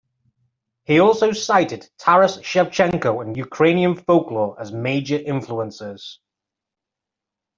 He also cited Taras Shevchenko and Ukrainian folklore as major influences.